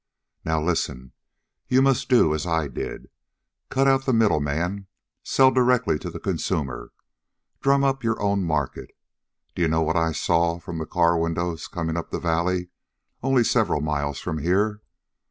Now listen. You must do as I did. Cut out the middle man. Sell directly to the consumer. Drum up your own market. Do you know what I saw from the car windows coming up the valley, only several miles from here?